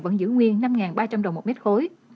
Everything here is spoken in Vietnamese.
vẫn giữ nguyên năm ba trăm linh đồng một mét khối